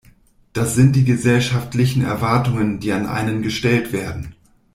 Das sind die gesellschaftlichen Erwartungen, die an einen gestellt werden.